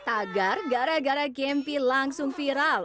tagar gara gara gempi langsung viral